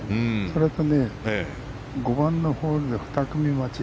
それとね、５番のホールで２組待ち。